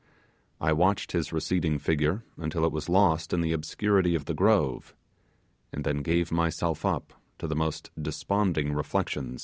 I watched his receding figure until it was lost in the obscurity of the grove, and then gave myself up to the most desponding reflections.